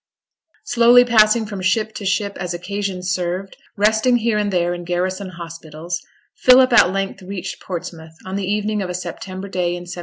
Slowly passing from ship to ship as occasion served; resting here and there in garrison hospitals, Philip at length reached Portsmouth on the evening of a September day in 1799.